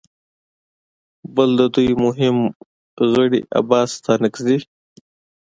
بل د دوی مهم غړي عباس ستانکزي